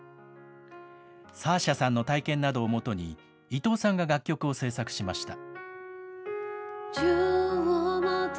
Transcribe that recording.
サーシャさんの体験などをもとに、伊藤さんが楽曲を制作しました。